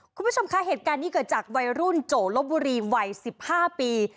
คุณผู้ชมคะเหตุการณ์นี้เกิดจากวัยรุ่นโจลบบุรีวัย๑๕ปี